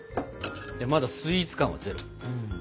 まだスイーツ感はゼロ。